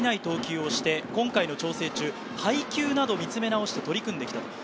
前回でふがいない投球をして、今回の挑戦中、配球などを見つめ直して取り組んできた。